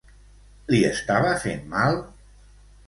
Li estava fent mal?